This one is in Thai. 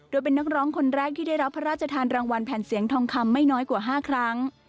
โดยเป็นนักร้องคนแรกที่ได้รับพระราชทานรางวัลแผ่นเสียงทองคำไม่น้อยกว่า๕ครั้ง